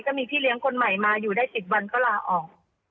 พี่เลี้ยงคนใหม่มาอยู่ได้๑๐วันก็ลาออก